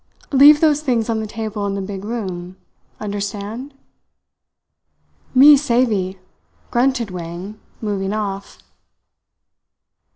"Leave those things on the table in the big room understand?" "Me savee," grunted Wang, moving off.